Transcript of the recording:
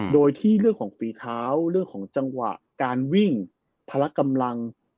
โดยที่เรื่องของฝีเท้าเรื่องของจังหวะการวิ่งพละกำลัง